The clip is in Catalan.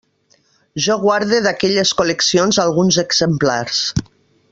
Jo guarde d'aquelles col·leccions alguns exemplars.